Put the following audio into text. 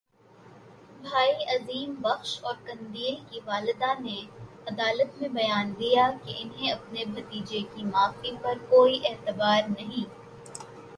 بھائی عظیم بخش اور قندیل کی والدہ نے عدالت میں بیان دیا کہ انہیں اپنے بھتیجے کی معافی پر کوئی اعتبار نہیں